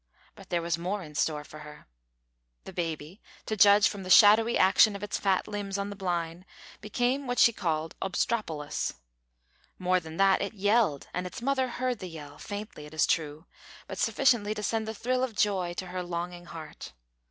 But there was more in store for her. The baby, to judge from the shadowy action of its fat limbs on the blind, became what she called obstropolous. More than that, it yelled, and its mother heard the yell faintly, it is true, but sufficiently to send a thrill of joy to her longing heart.